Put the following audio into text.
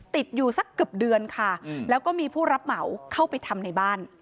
ติดอยู่สักเกือบเดือนค่ะแล้วก็มีผู้รับเหมาเข้าไปทำในบ้าน